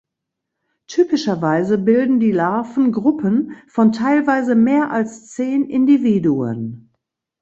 Typischerweise bilden die Larven Gruppen von teilweise mehr als zehn Individuen.